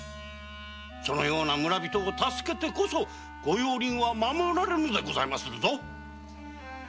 そのような村人を助けてこそ御用林は守られるのでございまするぞ。